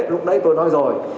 lúc đấy tôi nói rồi